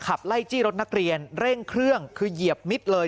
ขับไล่จี้รถนักเรียนเร่งเครื่องคือเหยียบมิดเลย